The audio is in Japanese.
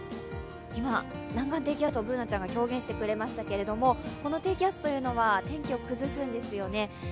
今、南岸低気圧をＢｏｏｎａちゃんが表現してくれましたけれどもこの低気圧というのは天気を崩すんですよね。